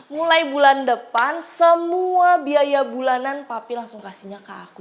mulai bulan depan semua biaya bulanan papi langsung kasihnya ke aku